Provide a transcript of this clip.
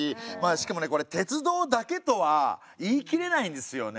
しかもねこれ鉄道だけとは言い切れないんですよね。